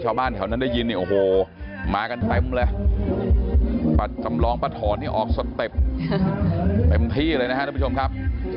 ชาวบ้านแถวนั้นได้ยินเนี่ยโอ้โหมากันเต็มเลยป้าจำลองป้าถอนนี่ออกสเต็ปเต็มที่เลยนะครับทุกผู้ชมครับ